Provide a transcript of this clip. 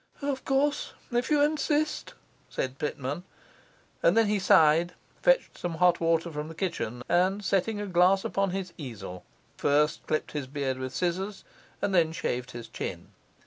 'Of course, if you insist,' said Pitman; and then he sighed, fetched some hot water from the kitchen, and setting a glass upon his easel, first clipped his beard with scissors and then shaved his chin.